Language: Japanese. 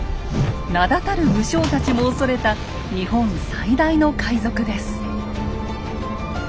名だたる武将たちも恐れた日本最大の海賊です。